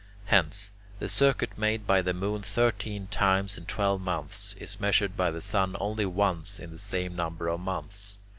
Hence, the circuit made by the moon thirteen times in twelve months, is measured by the sun only once in the same number of months.